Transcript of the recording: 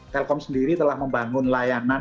telkom sendiri telah membangun layanan